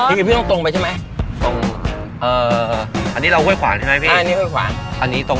ถ้าเกิดมันไม่ใช่อาหารญี่ปุ่น